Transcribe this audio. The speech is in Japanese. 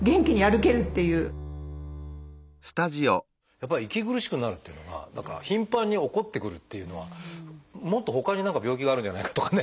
やっぱり息苦しくなるっていうのが何か頻繁に起こってくるっていうのはもっとほかに何か病気があるんじゃないかとかね